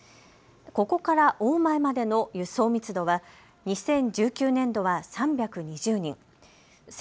ここから大前までの輸送密度は２０１９年度は３２０人。